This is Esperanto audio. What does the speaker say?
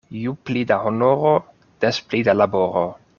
Ju pli da honoro, des pli da laboro.